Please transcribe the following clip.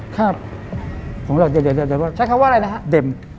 ใช้คำว่าอะไรนะครับ